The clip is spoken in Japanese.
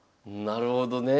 なるほどね。